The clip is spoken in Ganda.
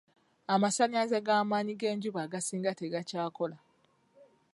Amasannyalaze g'amaanyi g'enjuba agasinga tegakyakola.